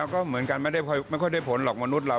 ก็เหมือนกันไม่ค่อยได้ผลหรอกมนุษย์เรา